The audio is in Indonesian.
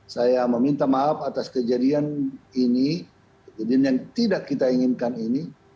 saya meminta maaf atas kejadian ini kejadian yang tidak kita inginkan ini